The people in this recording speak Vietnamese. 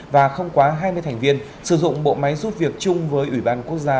và không quá hai mươi thành viên sử dụng bộ máy giúp việc chung với ủy ban quốc gia